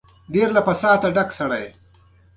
ازادي راډیو د کډوال د پرمختګ په اړه هیله څرګنده کړې.